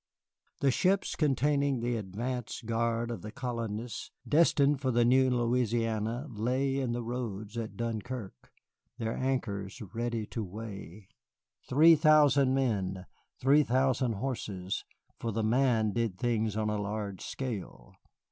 The ships containing the advance guard of the colonists destined for the new Louisiana lay in the roads at Dunkirk, their anchors ready to weigh, three thousand men, three thousand horses, for the Man did things on a large scale.